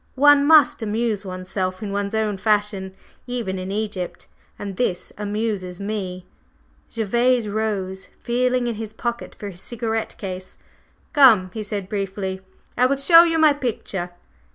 One must amuse one's self in one's own fashion, even in Egypt, and this amuses me." Gervase rose, feeling in his pocket for his cigarette case. "Come," he said briefly, "I will show you my picture."